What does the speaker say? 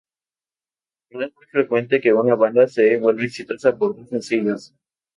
No es muy frecuente que una banda se vuelva exitosa por dos sencillos.